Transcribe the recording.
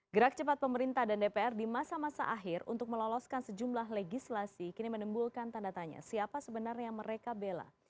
gerak cepat pemerintah dan dpr di masa masa akhir untuk meloloskan sejumlah legislasi kini menimbulkan tanda tanya siapa sebenarnya yang mereka bela